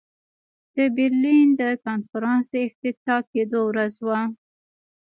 د برلین د کنفرانس د افتتاح کېدلو ورځ وه.